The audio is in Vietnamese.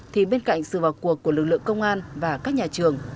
thì bên cạnh sự vào cuộc của lực lượng công an và các nhà trường